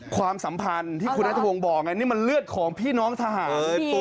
ความสัมพันธ์ที่คุณนัทพงศ์บอกไงนี่มันเลือดของพี่น้องทหาร